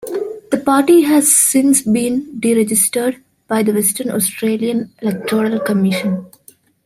The party has since been de-registered by the Western Australian Electoral Commission.